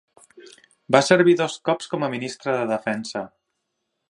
Va servir dos cops com a Ministre de Defensa.